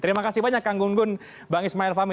terima kasih banyak kang gunggun bang ismail fahmi